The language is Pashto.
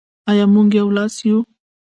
آیا موږ یو لاس یو؟